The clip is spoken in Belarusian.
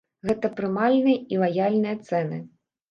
Гэта прымальныя і лаяльныя цэны.